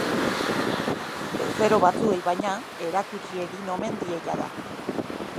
Bezero batzuei, baina, erakutsi egin omen die jada.